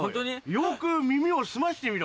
よく耳を澄ましてみろ。